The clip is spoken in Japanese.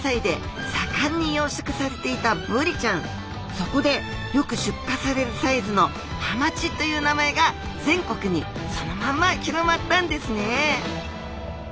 そこでよく出荷されるサイズのはまちという名前が全国にそのまま広まったんですね